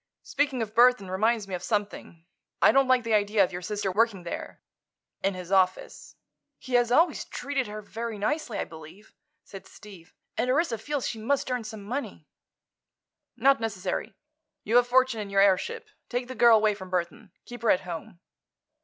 "Speaking of Burthon reminds me of something. I don't like the idea of your sister working there—in his office." "He has always treated her very nicely, I believe," said Steve, "and Orissa feels she must earn some money." "Not necessary. You've a fortune in your airship. Take the girl away from Burthon. Keep her at home."